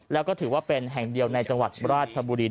และถือว่าอถีกว่าแห่งเดียวในจังหวัดราชบุรี